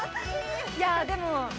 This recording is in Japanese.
いやでも。